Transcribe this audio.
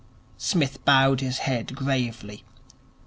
Psmith bowed his head gravely.